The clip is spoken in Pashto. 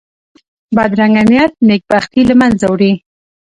بدرنګه نیت نېک بختي له منځه وړي